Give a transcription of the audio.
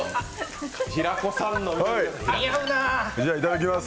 いただきます